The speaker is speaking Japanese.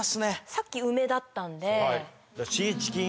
・さっき梅だったんで・じゃあ。